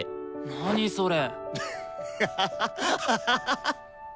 何それ！？